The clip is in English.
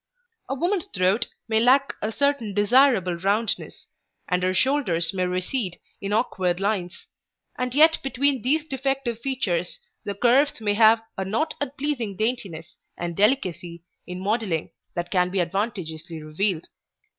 A woman's throat may lack a certain desirable roundness, and her shoulders may recede in awkward lines, and yet between these defective features the curves may have a not unpleasing daintiness and delicacy in modelling that can be advantageously revealed.